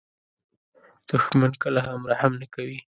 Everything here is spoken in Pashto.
دښمن کله هم رحم نه کوي